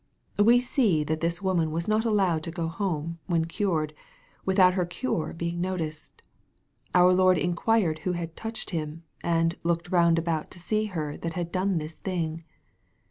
We see that this woman was not allowed to go home, when cured, without her cure being noticed. Our Lord inquired who had touched Him, and " looked round about to see her that had done this thing."